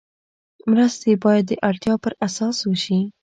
مرستې باید د اړتیا پر اساس وشي.